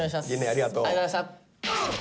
ありがとう。